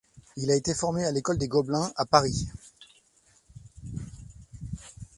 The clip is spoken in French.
Il a été formé à l'école des Gobelins, à Paris.